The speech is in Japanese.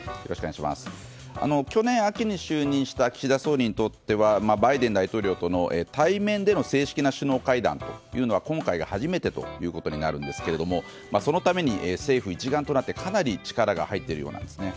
去年秋に就任した岸田総理にとってはバイデン大統領との対面での正式な首脳会談は今回が初めてということになるんですがそのために政府一丸となってかなり力が入っているようなんです。